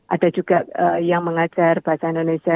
ada juga yang mengajar bahasa indonesia